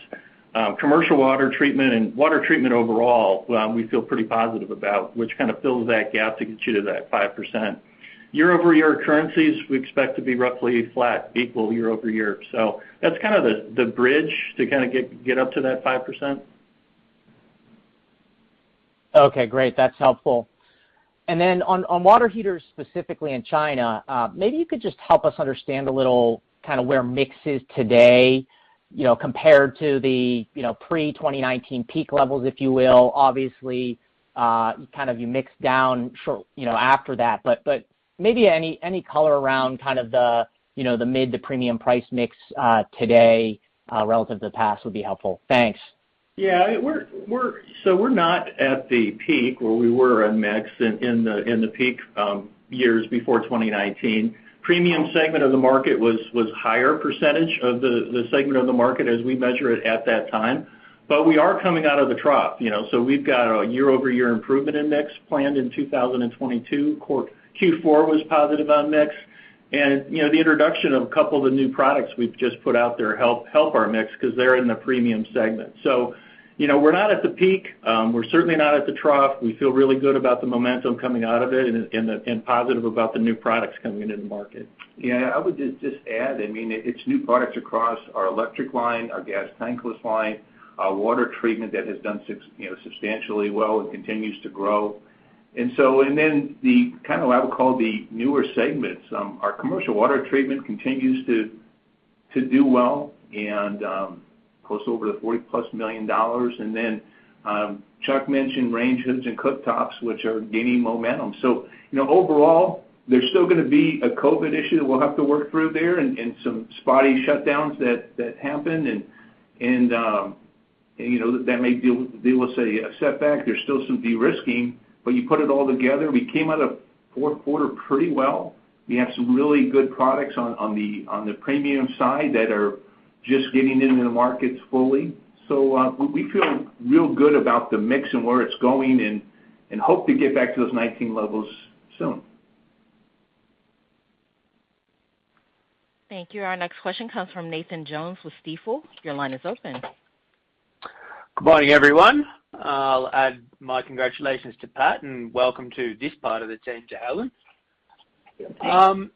commercial water treatment and water treatment overall, we feel pretty positive about which kind of fills that gap to get you to that 5%. Year-over-year currencies, we expect to be roughly flat equal year-over-year. That's kind of the bridge to kind of get up to that 5%. Okay, great. That's helpful. Then on water heaters, specifically in China, maybe you could just help us understand a little kind of where mix is today, you know, compared to the, you know, pre-2019 peak levels, if you will. Obviously, kind of you mixed down sure, you know, after that. Maybe any color around kind of the, you know, the mid to premium price mix, today, relative to the past would be helpful. Thanks. We're not at the peak where we were on mix in the peak years before 2019. Premium segment of the market was higher percentage of the segment of the market as we measure it at that time. But we are coming out of the trough, you know. We've got a year-over-year improvement index planned in 2022. Q4 was positive on mix. You know, the introduction of a couple of the new products we've just put out there help our mix 'cause they're in the premium segment. You know, we're not at the peak. We're certainly not at the trough. We feel really good about the momentum coming out of it and positive about the new products coming into the market. Yeah, I would just add, I mean, it's new products across our electric line, our gas tankless line, our water treatment that has done substantially well and continues to grow. And then the kind of what I would call the newer segments, our commercial water treatment continues to do well and close over the $40+ million. And then, Chuck mentioned range hoods and cooktops, which are gaining momentum. So, you know, overall, there's still gonna be a COVID issue that we'll have to work through there and some spotty shutdowns that happen. And you know, that may deal with, say, a setback. There's still some de-risking. But you put it all together, we came out of fourth quarter pretty well. We have some really good products on the premium side that are just getting into the markets fully. We feel real good about the mix and where it's going and hope to get back to those 2019 levels soon. Thank you. Our next question comes from Nathan Jones with Stifel. Your line is open. Good morning, everyone. I'll add my congratulations to Pat, and welcome to this part of the team to Helen. Thanks.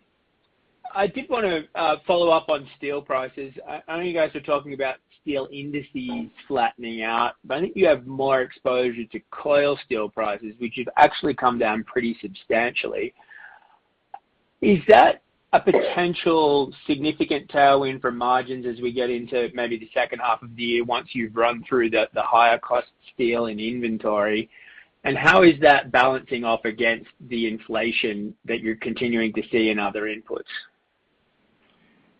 I did wanna follow up on steel prices. I know you guys are talking about steel industry flattening out, but I think you have more exposure to coil steel prices, which have actually come down pretty substantially. Is that a potential significant tailwind for margins as we get into maybe the second half of the year once you've run through the higher cost steel and inventory? How is that balancing off against the inflation that you're continuing to see in other inputs?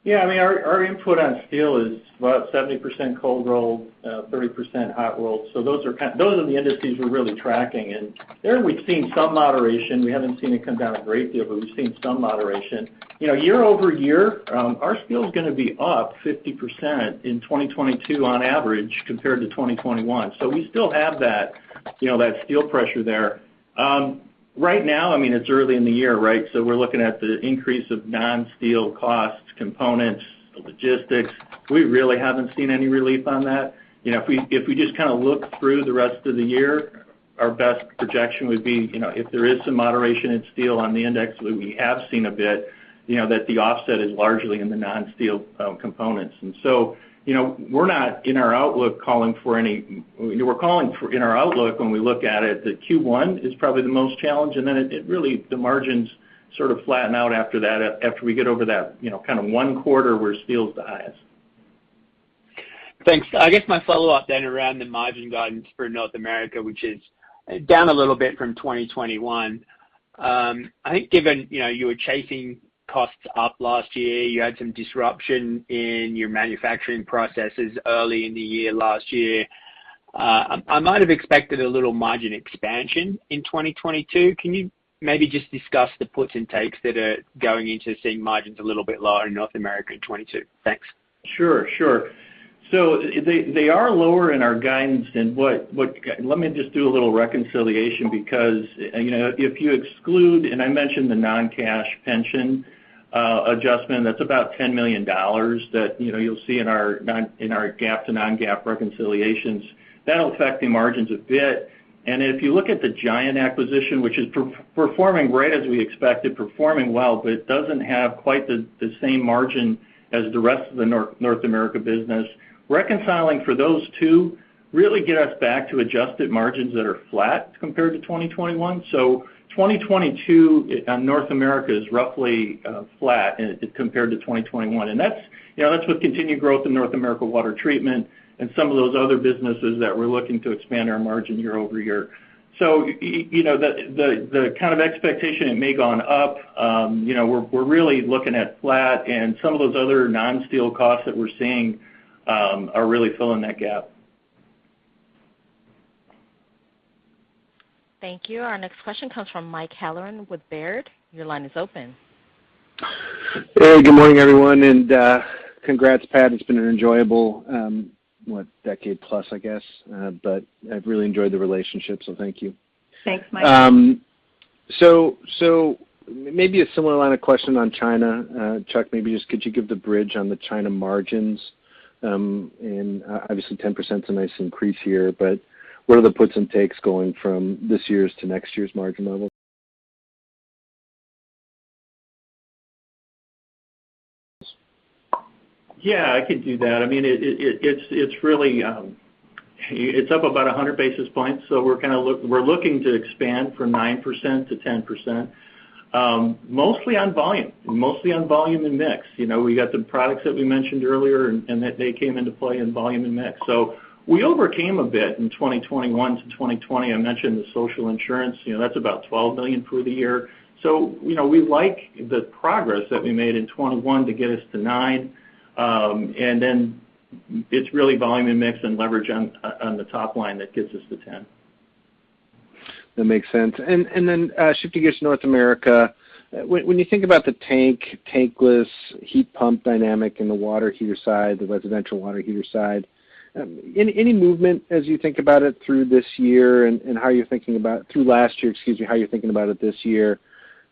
Yeah. I mean, our input on steel is about 70% cold roll, 30% hot roll. Those are the industries we're really tracking. There we've seen some moderation. We haven't seen it come down a great deal, but we've seen some moderation. You know, year over year, our steel is gonna be up 50% in 2022 on average, compared to 2021. We still have that, you know, that steel pressure there. Right now, I mean, it's early in the year, right? We're looking at the increase of non-steel costs, components, logistics. We really haven't seen any relief on that. You know, if we just kind of look through the rest of the year, our best projection would be, you know, if there is some moderation in steel on the index, we have seen a bit, you know, that the offset is largely in the non-steel components. You know, we're calling for, in our outlook when we look at it, that Q1 is probably the most challenged, and then it really, the margins sort of flatten out after that, after we get over that, you know, kind of one quarter where steel's the highest. Thanks. I guess my follow-up then around the margin guidance for North America, which is down a little bit from 2021. I think given, you know, you were chasing costs up last year, you had some disruption in your manufacturing processes early in the year last year. I might have expected a little margin expansion in 2022. Can you maybe just discuss the puts and takes that are going into seeing margins a little bit lower in North America in 2022? Thanks. Sure, sure. They are lower in our guidance than what. Let me just do a little reconciliation because, you know, if you exclude, and I mentioned the non-cash pension adjustment, that's about $10 million that, you know, you'll see in our GAAP to non-GAAP reconciliations. That'll affect the margins a bit. If you look at the Giant acquisition, which is performing great as we expected, performing well, but it doesn't have quite the same margin as the rest of the North America business. Reconciling for those two really get us back to adjusted margins that are flat compared to 2021. 2022 North America is roughly flat compared to 2021. That's, you know, that's with continued growth in North America water treatment and some of those other businesses that we're looking to expand our margin year-over-year. You know, the kind of expectation it may gone up. You know, we're really looking at flat and some of those other non-steel costs that we're seeing are really filling that gap. Thank you. Our next question comes from Mike Halloran with Baird. Your line is open. Hey, good morning, everyone, and congrats, Pat. It's been an enjoyable decade plus, I guess. I've really enjoyed the relationship, so thank you. Thanks, Mike. Maybe a similar line of questioning on China. Chuck, maybe just could you give the bridge on the China margins? Obviously 10% is a nice increase here, but what are the puts and takes going from this year's to next year's margin level? Yeah, I could do that. I mean, it's really up about 100 basis points, so we're looking to expand from 9%-10%, mostly on volume. Mostly on volume and mix. You know, we got the products that we mentioned earlier and that they came into play in volume and mix. We overcame a bit in 2021 to 2020. I mentioned the social insurance, you know, that's about $12 million for the year. You know, we like the progress that we made in 2021 to get us to 9%. It's really volume and mix and leverage on the top line that gets us to 10%. That makes sense. Shifting gears to North America, when you think about the tank, tankless heat pump dynamic in the water heater side, the residential water heater side, any movement as you think about it through this year and, excuse me, how you're thinking about it this year?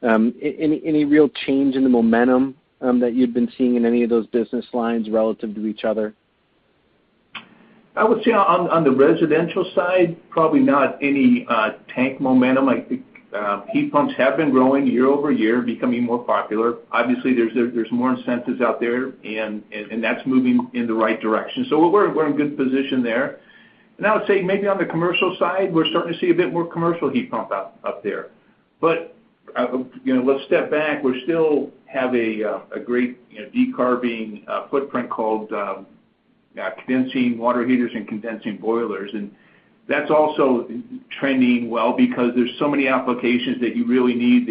Any real change in the momentum that you've been seeing in any of those business lines relative to each other? I would say on the residential side, probably not any tank momentum. I think heat pumps have been growing year-over-year, becoming more popular. Obviously, there's more incentives out there and that's moving in the right direction. We're in good position there. I would say maybe on the commercial side, we're starting to see a bit more commercial heat pump up there. You know, let's step back. We still have a great you know, decarbonizing footprint called condensing water heaters and condensing boilers. That's also trending well because there's so many applications that you really need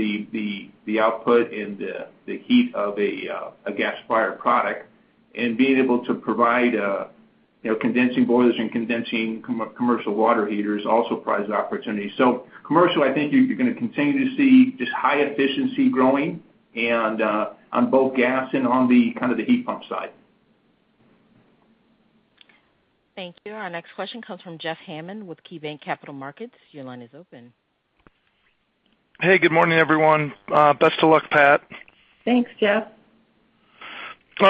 the output and the heat of a gas-fired product. Being able to provide you know, condensing boilers and condensing commercial water heaters also provides opportunity. Commercial, I think you're gonna continue to see just high efficiency growing and, on both gas and on the kind of the heat pump side. Thank you. Our next question comes from Jeff Hammond with KeyBanc Capital Markets. Your line is open. Hey, good morning, everyone. Best of luck, Pat. Thanks, Jeff.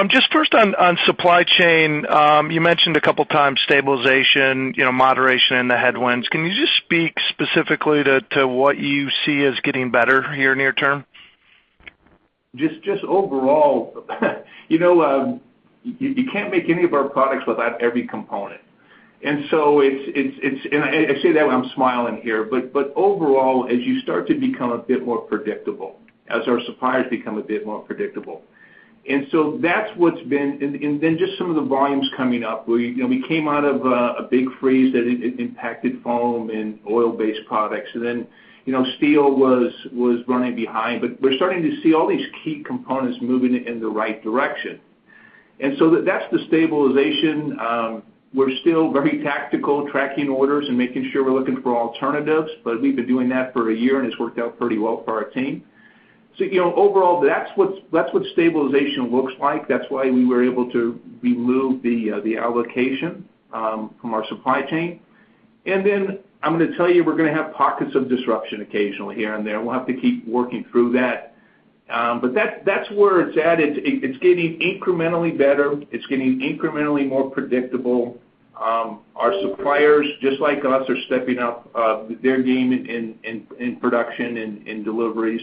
Just first on supply chain, you mentioned a couple times stabilization, you know, moderation in the headwinds. Can you just speak specifically to what you see as getting better here near term? Just overall, you know, you can't make any of our products without every component. It's, and I say that, I'm smiling here. Overall, as you start to become a bit more predictable, as our suppliers become a bit more predictable. That's what's been. Then just some of the volumes coming up. You know, we came out of a big freeze that impacted foam and oil-based products. You know, steel was running behind. We're starting to see all these key components moving in the right direction. That's the stabilization. We're still very tactically tracking orders and making sure we're looking for alternatives, but we've been doing that for a year, and it's worked out pretty well for our team. You know, overall, that's what stabilization looks like. That's why we were able to remove the allocation from our supply chain. I'm gonna tell you, we're gonna have pockets of disruption occasionally here and there, and we'll have to keep working through that. That's where it's at. It's getting incrementally better. It's getting incrementally more predictable. Our suppliers, just like us, are stepping up their game in production and deliveries.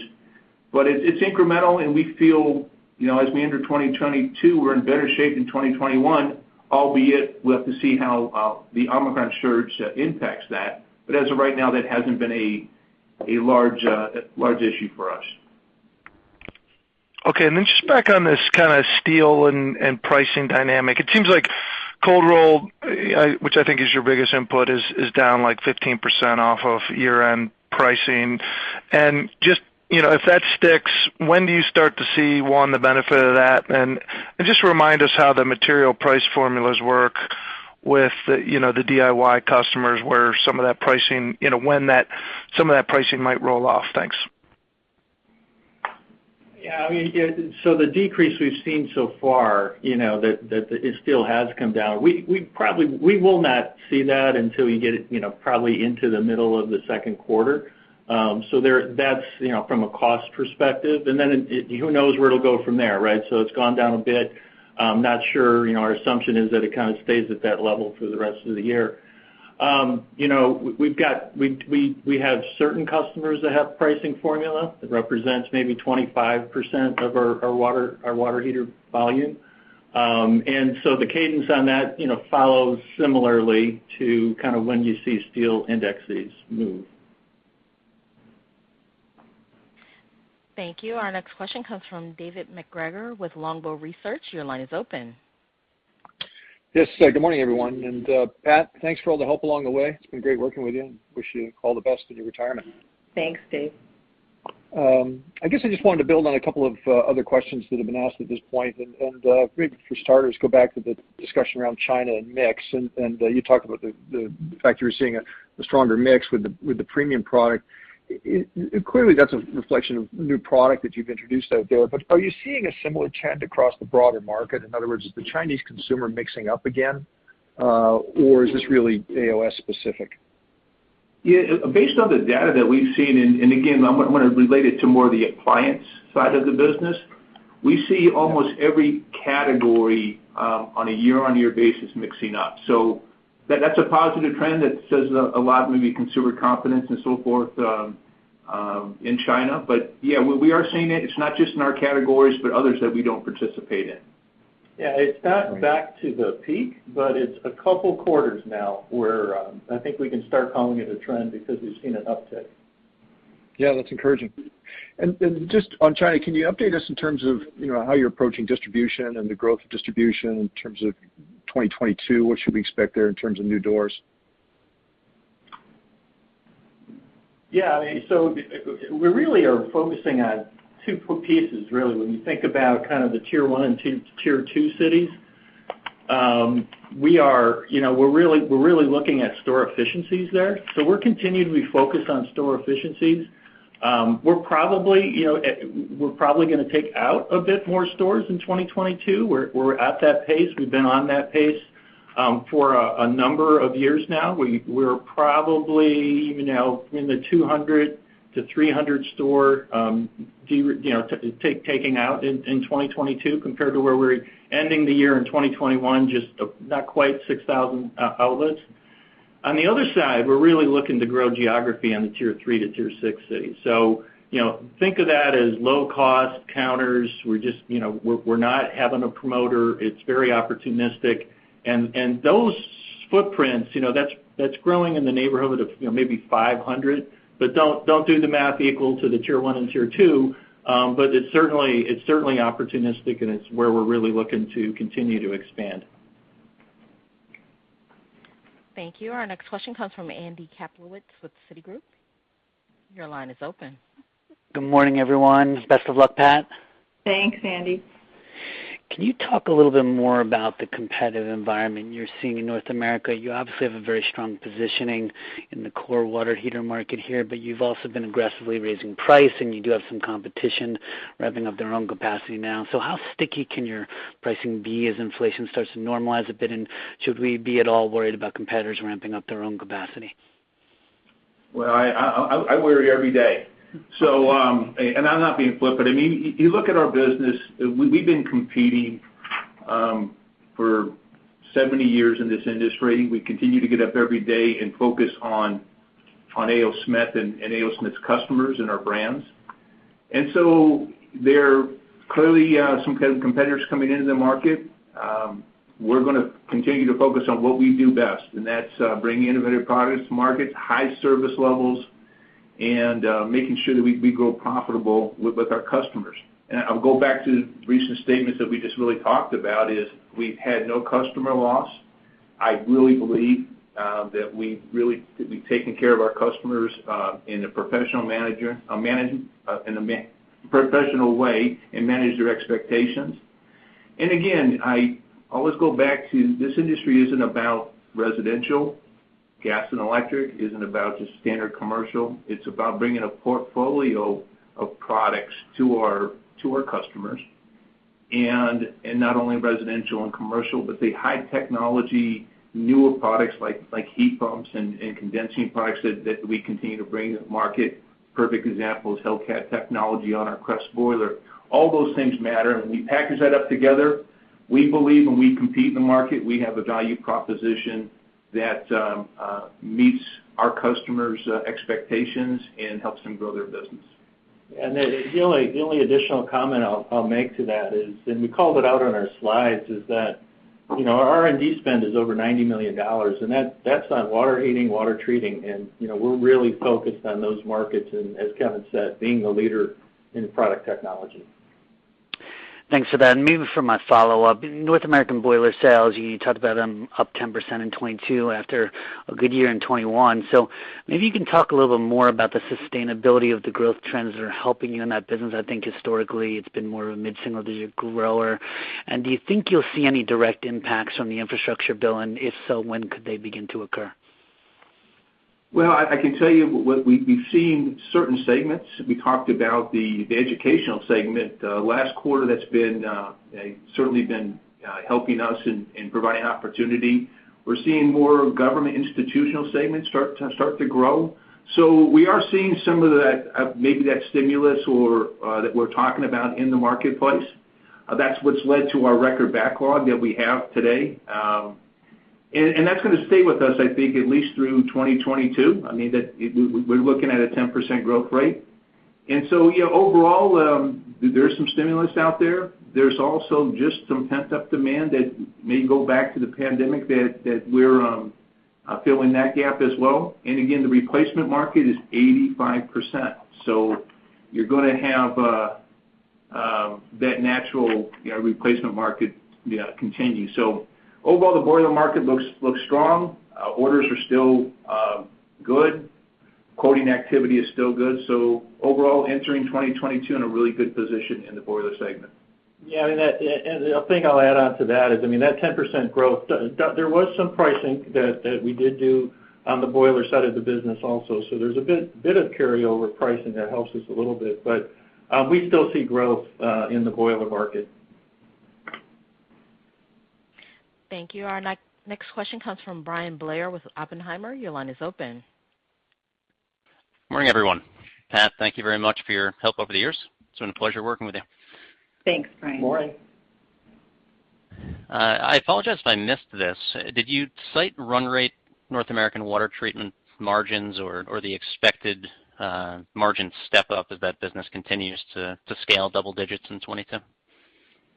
It's incremental, and we feel, you know, as we enter 2022, we're in better shape than 2021, albeit we have to see how the Omicron surge impacts that. As of right now, that hasn't been a large issue for us. Okay. Then just back on this kinda steel and pricing dynamic. It seems like cold roll, which I think is your biggest input is down like 15% off of year-end pricing. Just, you know, if that sticks, when do you start to see, one, the benefit of that? Just remind us how the material price formulas work with the, you know, the DIY customers, where some of that pricing, you know, when that, some of that pricing might roll off. Thanks. Yeah, I mean, yeah, so the decrease we've seen so far, you know, that the steel has come down. We probably will not see that until you get it, you know, probably into the middle of the second quarter. That's, you know, from a cost perspective. Who knows where it'll go from there, right? So it's gone down a bit. I'm not sure, you know, our assumption is that it kind of stays at that level for the rest of the year. You know, we have certain customers that have pricing formula that represents maybe 25% of our water heater volume. The cadence on that, you know, follows similarly to kind of when you see steel indexes move. Thank you. Our next question comes from David MacGregor with Longbow Research. Your line is open. Yes. Good morning, everyone. Pat, thanks for all the help along the way. It's been great working with you, and I wish you all the best in your retirement. Thanks, Dave. I guess I just wanted to build on a couple of other questions that have been asked at this point. Maybe for starters, go back to the discussion around China and mix. You talked about the fact you're seeing a stronger mix with the premium product. Clearly that's a reflection of new product that you've introduced out there, but are you seeing a similar trend across the broader market? In other words, is the Chinese consumer mixing up again, or is this really AOS specific? Yeah. Based on the data that we've seen, and again, I wanna relate it to more of the appliance side of the business. We see almost every category on a year-on-year basis picking up. That's a positive trend that says a lot, maybe consumer confidence and so forth, in China. Yeah, we are seeing it. It's not just in our categories, but others that we don't participate in. Yeah. It's not back to the peak, but it's a couple quarters now where, I think we can start calling it a trend because we've seen an uptick. Yeah, that's encouraging. Just on China, can you update us in terms of, you know, how you're approaching distribution and the growth of distribution in terms of 2022? What should we expect there in terms of new doors? Yeah. We really are focusing on two pieces, really. When you think about kind of the tier one and two cities, we are, you know, we're really looking at store efficiencies there. We're continually focused on store efficiencies. We're probably, you know, we're probably gonna take out a bit more stores in 2022. We're at that pace. We've been on that pace for a number of years now. We're probably even now in the 200-300 store, you know, taking out in 2022 compared to where we're ending the year in 2021, just not quite 6,000 outlets. On the other side, we're really looking to grow geography on the tier three to tier six cities. You know, think of that as low cost counters. We're just, you know, we're not having a promoter. It's very opportunistic. Those footprints, you know, that's growing in the neighborhood of, you know, maybe 500, but don't do the math equal to the tier one and tier two. But it's certainly opportunistic, and it's where we're really looking to continue to expand. Thank you. Our next question comes from Andy Kaplowitz with Citigroup. Your line is open. Good morning, everyone. Best of luck, Pat. Thanks, Andy. Can you talk a little bit more about the competitive environment you're seeing in North America? You obviously have a very strong positioning in the core water heater market here, but you've also been aggressively raising price, and you do have some competition revving up their own capacity now. So how sticky can your pricing be as inflation starts to normalize a bit? And should we be at all worried about competitors ramping up their own capacity? I worry every day. I'm not being flippant. I mean, you look at our business, we've been competing for 70 years in this industry. We continue to get up every day and focus on A. O. Smith and A. O. Smith's customers and our brands. There are clearly some kind of competitors coming into the market. We're gonna continue to focus on what we do best, and that's bringing innovative products to market, high service levels, and making sure that we grow profitable with our customers. I'll go back to recent statements that we just really talked about, is we've had no customer loss. I really believe that we've taken care of our customers in a professional way and managed their expectations. Again, I always go back to this industry isn't about residential. Gas and electric isn't about just standard commercial. It's about bringing a portfolio of products to our customers. Not only residential and commercial, but the high technology, newer products like heat pumps and condensing products that we continue to bring to market. Perfect example is Hel-Cat technology on our CREST boiler. All those things matter, and when we package that up together, we believe when we compete in the market, we have a value proposition that meets our customers' expectations and helps them grow their business. The only additional comment I'll make to that is, and we called it out on our slides, is that, you know, our R&D spend is over $90 million, and that's on water heating, water treating, and, you know, we're really focused on those markets and as Kevin said, being the leader in product technology. Thanks for that. Maybe for my follow-up, North American boiler sales, you talked about them up 10% in 2022 after a good year in 2021. Maybe you can talk a little bit more about the sustainability of the growth trends that are helping you in that business. I think historically, it's been more of a mid-single digit grower. Do you think you'll see any direct impacts on the infrastructure bill? If so, when could they begin to occur? Well, I can tell you we've seen certain segments. We talked about the educational segment. Last quarter, that's been certainly helping us in providing opportunity. We're seeing more government institutional segments start to grow. We are seeing some of that, maybe that stimulus or that we're talking about in the marketplace. That's what's led to our record backlog that we have today. And that's gonna stay with us, I think, at least through 2022. I mean, that we're looking at a 10% growth rate. You know, overall, there's some stimulus out there. There's also just some pent-up demand that may go back to the pandemic that we're filling that gap as well. Again, the replacement market is 85%, so you're gonna have that natural, you know, replacement market, yeah, continue. Overall, the boiler market looks strong. Orders are still good. Quoting activity is still good. Overall, entering 2022 in a really good position in the boiler segment. Yeah, I mean, the thing I'll add on to that is, I mean, that 10% growth, there was some pricing that we did do on the boiler side of the business also. So there's a bit of carryover pricing that helps us a little bit. But we still see growth in the boiler market. Thank you. Our next question comes from Bryan Blair with Oppenheimer. Your line is open. Morning, everyone. Pat, thank you very much for your help over the years. It's been a pleasure working with you. Thanks, Bryan. Morning. I apologize if I missed this. Did you cite run rate North American water treatment margins or the expected margin step-up as that business continues to scale double digits in 2022?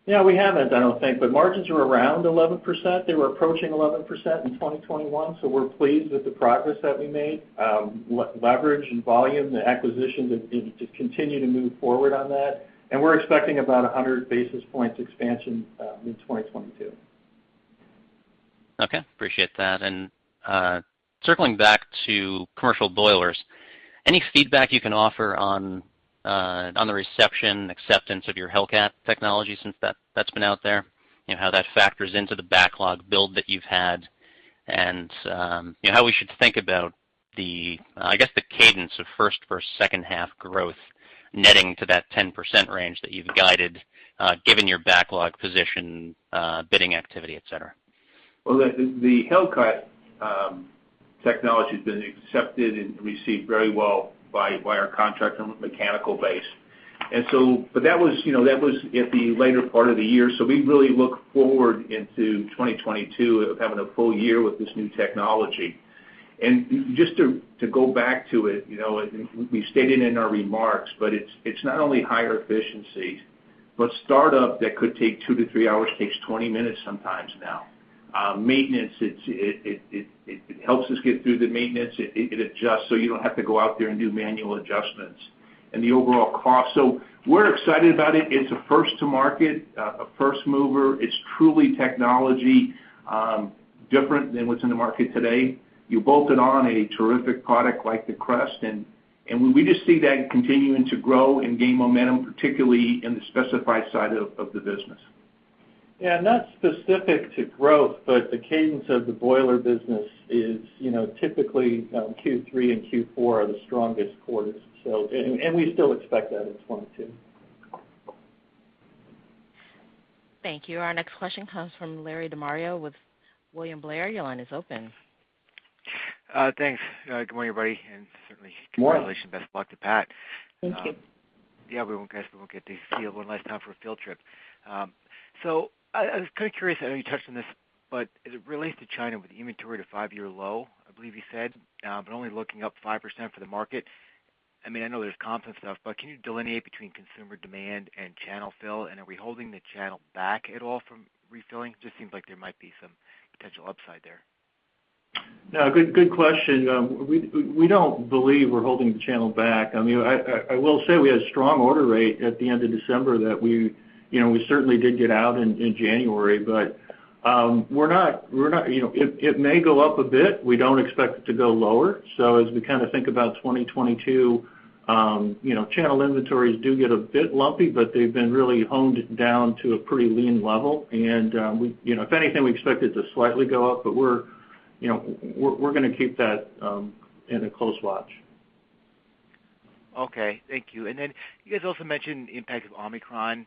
Yeah, we haven't, I don't think. But margins are around 11%. They were approaching 11% in 2021, so we're pleased with the progress that we made. Leverage and volume, the acquisitions have been to continue to move forward on that. We're expecting about 100 basis points expansion in 2022. Okay. Appreciate that. Circling back to commercial boilers, any feedback you can offer on the reception, acceptance of your Hel-Cat technology since that's been out there? You know, how that factors into the backlog build that you've had? You know, how we should think about the, I guess, the cadence of first versus second half growth netting to that 10% range that you've guided, given your backlog position, bidding activity, et cetera. Well, the Hel-Cat technology has been accepted and received very well by our contractor mechanical base. But that was, you know, at the later part of the year, so we really look forward into 2022 of having a full year with this new technology. Just to go back to it, you know, we stated in our remarks, but it's not only higher efficiency, but startup that could take 2-3 hours takes 20 minutes sometimes now. Maintenance, it's it helps us get through the maintenance. It adjusts, so you don't have to go out there and do manual adjustments. And the overall cost. We're excited about it. It's a first to market, a first mover. It's truly technology different than what's in the market today. You bolt it on a terrific product like the CREST, and we just see that continuing to grow and gain momentum, particularly in the specified side of the business. Yeah, not specific to growth, but the cadence of the boiler business is, you know, typically Q3 and Q4 are the strongest quarters. We still expect that in 2022. Thank you. Our next question comes from Larry De Maria with William Blair. Your line is open. Thanks. Good morning, everybody. Morning. Congratulations. Best of luck to Pat. Thank you. Yeah, guys, we won't get to see you one last time for a field trip. I was kinda curious. I know you touched on this, but as it relates to China with inventory at a five-year low, I believe you said, but only looking up 5% for the market. I mean, I know there's comp and stuff, but can you delineate between consumer demand and channel fill? Are we holding the channel back at all from refilling? Just seems like there might be some potential upside there. No, good question. We don't believe we're holding the channel back. I mean, I will say we had a strong order rate at the end of December that we, you know, certainly did get out in January. But we're not, you know. It may go up a bit. We don't expect it to go lower. So as we kinda think about 2022, you know, channel inventories do get a bit lumpy, but they've been really honed down to a pretty lean level. We, you know, if anything, we expect it to slightly go up, but we're, you know, gonna keep that in a close watch. Okay. Thank you. You guys also mentioned the impact of Omicron,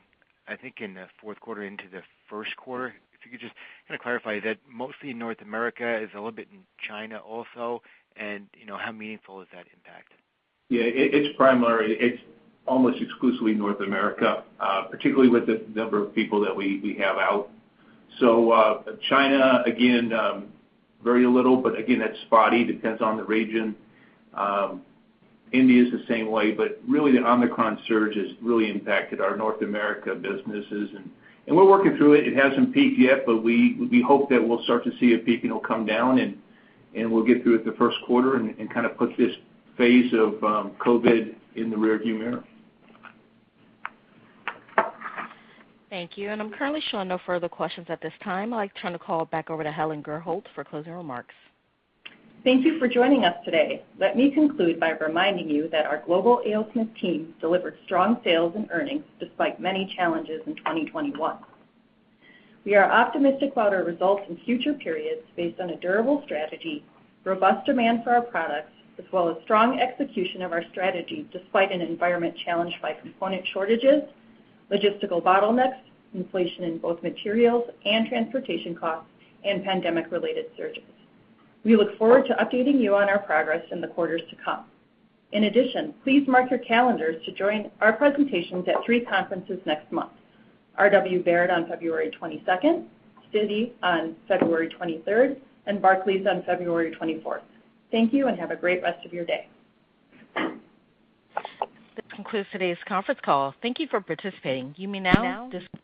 I think, in the fourth quarter into the first quarter. If you could just kinda clarify, is that mostly in North America? Is it a little bit in China also? You know, how meaningful is that impact? Yeah, it's primary. It's almost exclusively North America, particularly with the number of people that we have out. China, again, very little, but again, that's spotty. Depends on the region. India is the same way, but really the Omicron surge has really impacted our North America businesses. We're working through it. It hasn't peaked yet, but we hope that we'll start to see it peak and it'll come down, and we'll get through it the first quarter and kind of put this phase of COVID in the rear view mirror. Thank you. I'm currently showing no further questions at this time. I'd like to turn the call back over to Helen Gurholt for closing remarks. Thank you for joining us today. Let me conclude by reminding you that our global A. O. Smith team delivered strong sales and earnings despite many challenges in 2021. We are optimistic about our results in future periods based on a durable strategy, robust demand for our products, as well as strong execution of our strategy despite an environment challenged by component shortages, logistical bottlenecks, inflation in both materials and transportation costs, and pandemic-related surges. We look forward to updating you on our progress in the quarters to come. In addition, please mark your calendars to join our presentations at three conferences next month. R.W. Baird on February 22nd, Citi on February 23rd, and Barclays on February 24th. Thank you, and have a great rest of your day. This concludes today's conference call. Thank you for participating. You may now disconnect.